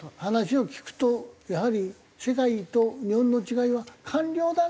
話を聞くとやはり世界と日本の違いは官僚だな。